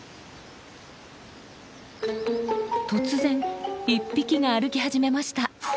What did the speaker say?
突然１匹が歩き始めました。